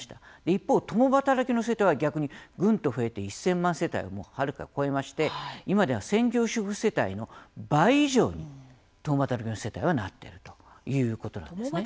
一方、共働きの世帯は逆に、ぐんと増えて１０００万世帯をはるか超えまして今では専業主婦世帯の倍以上に共働きの世帯はなっているということなんですね。